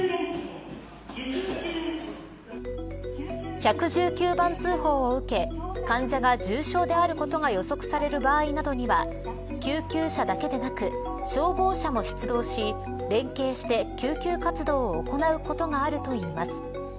１１９番通報を受け患者が重症であることが予測される場合などには救急車だけでなく消防車も出動し連携して救急活動を行うことがあるといいます。